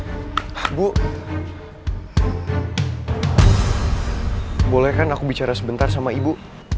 ibu boleh kan aku bicara sebentar sama ibu